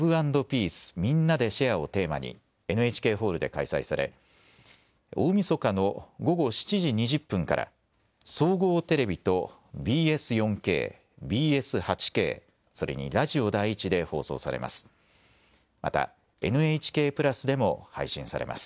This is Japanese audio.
ーをテーマにＮＨＫホールで開催され大みそかの午後７時２０分から総合テレビとＢＳ４Ｋ、ＢＳ８Ｋ、それにラジオ第１で放送されます。